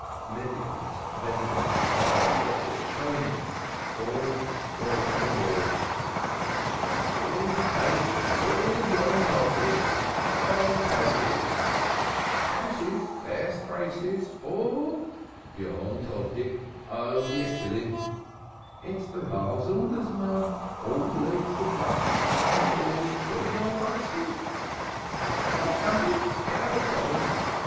Mendicants, vendors, buyers, gossips, showmen, all swelled the roar. "Here's your cakes! All yontovdik (for the festival)! Yontovdik " "Braces, best braces, all " "Yontovdik! Only one shilling " "It's the Rav's orders, mum; all legs of mutton must be porged or my license " "Cowcumbers! Cowcumbers!"